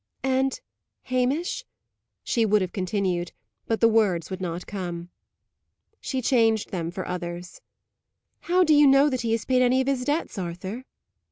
"And Hamish?" she would have continued, but the words would not come. She changed them for others. "How do you know that he has paid any of his debts, Arthur?"